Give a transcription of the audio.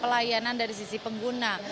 pelayanan dari sisi pengguna